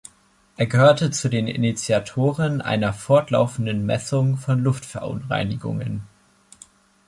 Er gehörte zu den Initiatoren einer fortlaufenden Messung von Luftverunreinigungen.